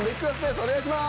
お願いします。